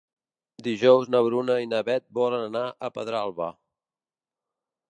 Dijous na Bruna i na Beth volen anar a Pedralba.